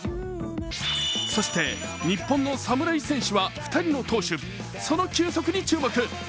そして、日本の侍戦士は２人の投手、その球速に注目。